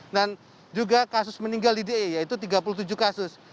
dan juga kasus meninggal di d i e yaitu tiga puluh tujuh kasus